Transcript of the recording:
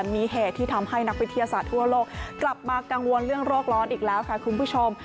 มีเหตุที่ทำให้นักวิทยาศาสตร์ทั่วโลกกลับมากังวลเรื่องโรคร้อนอีกแล้วค่ะคุณผู้ชม